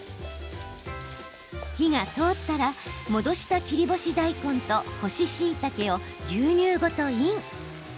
火が通ったら戻した切り干し大根と干ししいたけを牛乳ごとイン。